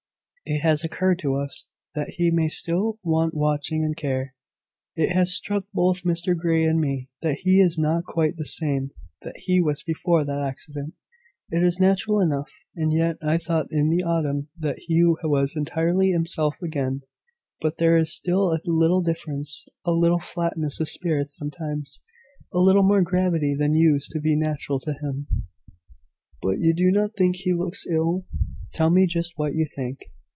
"It has occurred to us, that he may still want watching and care. It has struck both Mr Grey and me, that he is not quite the same that he was before that accident. It is natural enough. And yet I thought in the autumn that he was entirely himself again: but there is still a little difference a little flatness of spirits sometimes a little more gravity than used to be natural to him." "But you do not think he looks ill? Tell me just what you think."